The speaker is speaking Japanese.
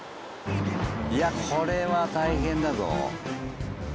いやこれは大変だぞ。